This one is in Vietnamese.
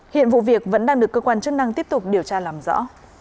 hiện vụ việc vẫn đang được cơ quan chức năng tiếp tục điều tra làm rõ